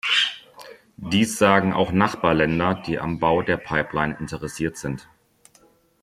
Dies sagen auch Nachbarländer, die am Bau der Pipeline interessiert sind.